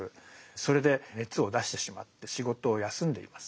それで熱を出してしまって仕事を休んでいます。